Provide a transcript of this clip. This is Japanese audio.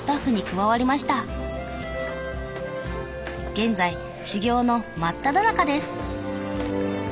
現在修業の真っただ中です。